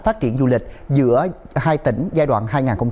phát triển du lịch giữa hai tỉnh giai đoạn hai nghìn hai mươi ba hai nghìn hai mươi năm